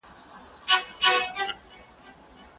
تاریخی تجربې د ټولنپوهنې لپاره ځینې برکتونه لري.